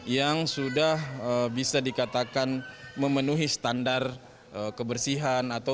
yang sudah bisa dikatakan memenuhi standar kebersihan atau standar kesehatan